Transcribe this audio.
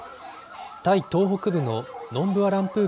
タイ東北部のノンブアランプー